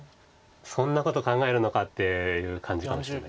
そんなこと考えるのかっていう感じかもしれないです。